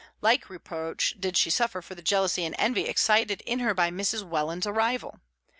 Like reproach did she suffer for the jealousy and envy excited in her by Mrs. Welland's arrival.